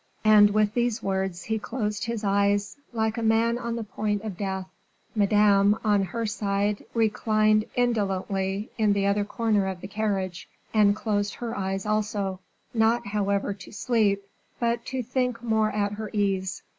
And with these words he closed his eyes, like a man on the point of death. Madame, on her side, reclined indolently in the other corner of the carriage, and closed her eyes also, not, however, to sleep, but to think more at her ease.